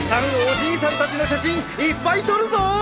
おじいさんたちの写真いっぱい撮るぞー！